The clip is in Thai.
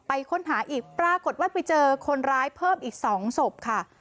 ค้นหาอีกปรากฏว่าไปเจอคนร้ายเพิ่มอีก๒ศพค่ะ